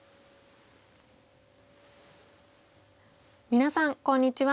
皆さんこんにちは。